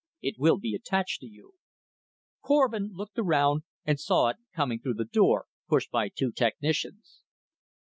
It will be attached to you." Korvin looked around and saw it coming through the door, pushed by two technicians.